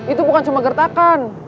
itu bukan cuma gertakan